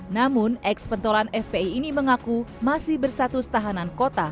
namun eks pentolan fpi ini mengaku masih berstatus tahanan kota